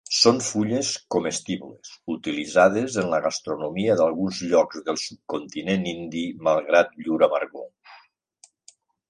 Són fulles comestibles, utilitzades en la gastronomia d'alguns llocs del subcontinent indi malgrat llur amargor.